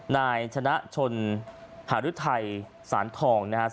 นายชนะชนหารุทัยสารทองนะฮะ